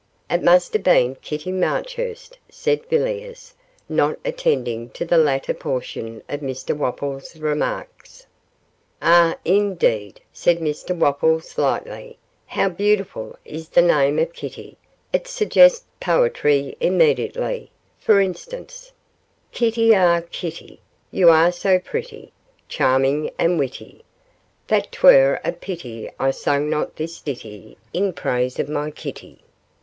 'It must have been Kitty Marchurst,' said Villiers, not attending to the latter portion of Mr Wopples' remarks. 'Ah, indeed,' said Mr Wopples, lightly, 'how beautiful is the name of Kitty; it suggests poetry immediately for instance: Kitty, ah Kitty, You are so pretty, Charming and witty, That 'twere a pity I sung not this ditty In praise of my Kitty.